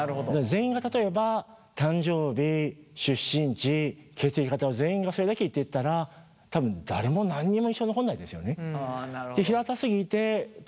全員が例えば誕生日出身地血液型を全員がそれだけ言っていったら多分誰も何にも印象に残んないですよね。